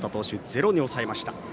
ゼロに抑えました。